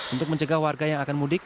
untuk mencegah warga yang akan mudik